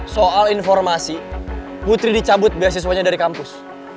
soal informasi putri dicabut beasiswanya dari kampus